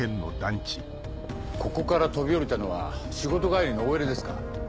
ここから飛び降りたのは仕事帰りのＯＬですか。